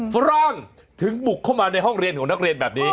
ฝรั่งถึงบุกเข้ามาในห้องเรียนของนักเรียนแบบนี้